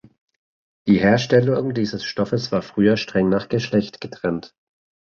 Die Herstellung dieses Stoffes war früher streng nach Geschlecht getrennt.